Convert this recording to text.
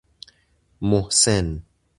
محسن